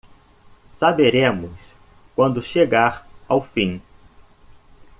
Saberemos quando chegar ao fim